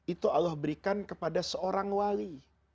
itu allah berikan kepada seorang wali